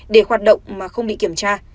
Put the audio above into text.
để hoạt động mà không bị kiểm tra